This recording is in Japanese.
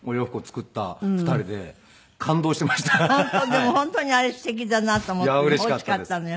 でも本当にあれすてきだなと思って欲しかったのよ。